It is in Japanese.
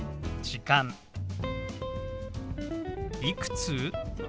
「いくつ？」。